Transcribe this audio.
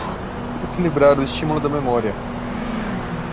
Equilibrar o estímulo da memória